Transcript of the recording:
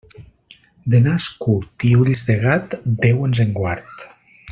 De nas curt i ulls de gat, Déu ens en guard.